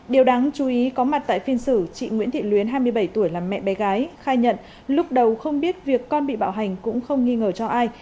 điều đáng chú ý có mặt tại phiên xử chị nguyễn thị luyến hai mươi bảy tuổi là mẹ bé gái khai nhận lúc đầu không biết việc con bị bạo hành cũng không nghi ngờ cho ai